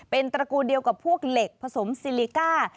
เป็นตระกูลเดียวกับพวกเหล็กผสมซิลิก้า